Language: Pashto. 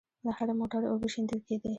له هره موټره اوبه شېندل کېدې.